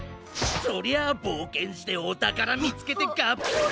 そりゃあぼうけんしておたからみつけてがっぽり。